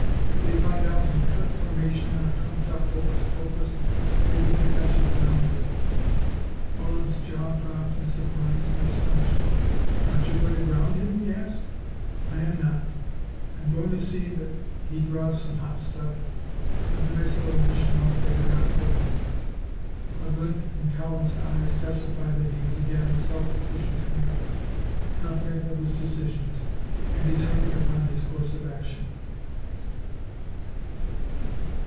If they find out he cut formation on a trumped up hokus pokus, they would think I should ground him." Mullins' jaw dropped in surprise and astonishment. "Aren't you going to ground him?" he asked. "I am not! I'm going to see that he draws some hot stuff. I've a nice little mission all figured out for him." A glint in Cowan's eyes testified that he was again the self sufficient commander, confident of his decisions and determined upon his course of action.